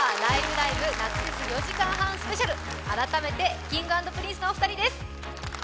ライブ！」夏フェス４時間半スペシャル、改めてＫｉｎｇ＆Ｐｒｉｎｃｅのお二人です。